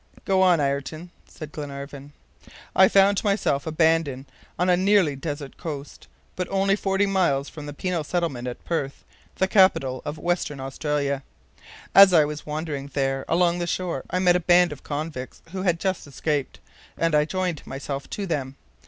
"Go on, Ayrton," said Glenarvan. "I found myself abandoned on a nearly desert coast, but only forty miles from the penal settlement at Perth, the capital of Western Australia. As I was wandering there along the shore, I met a band of convicts who had just escaped, and I joined myself to them.